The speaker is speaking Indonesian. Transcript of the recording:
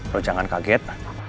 lu jangan kaget